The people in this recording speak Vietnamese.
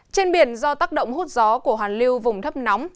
trên biển do tác động hút gió của hoàn lưu vùng thấp nóng